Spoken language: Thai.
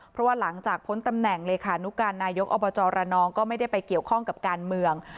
เพราะว่าหลังจากพ้นตำแหน่งเลขานุการนายกอบจรนองก็ไม่ได้ไปเกี่ยวข้องกับการเมือง